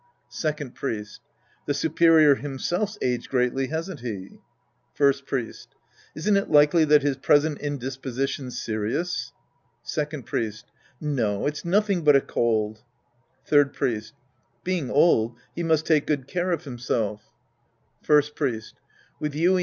Second Priest. The superior himself 's aged greatly, hasn't he ? First Priest. Isn't it likely that his present indis position's serious ? Second Priest. No, it's nothing but a cold. Third Priest. Being old, he must take good care of himself Act II The Priest and His Disciples ei First Priest.